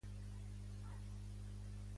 Em dic Ziyad Briz: be, erra, i, zeta.